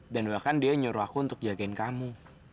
dan bahkan dia nyuruh aku untuk jagain kamu